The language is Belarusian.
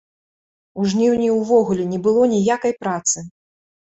У жніўні ўвогуле не было ніякай працы.